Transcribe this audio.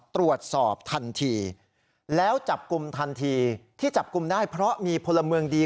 ตรวจสอบทันทีแล้วจับกลุ่มทันทีที่จับกลุ่มได้เพราะมีพลเมืองดี